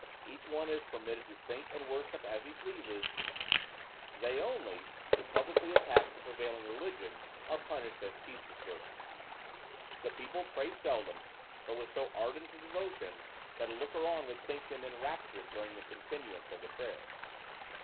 Each one is permitted to think and worship as he pleases; they only who publicly attack the prevailing religion, are punished as peace disturbers. The people pray seldom, but with so ardent a devotion, that a looker on would think them enraptured during the continuance of the prayer.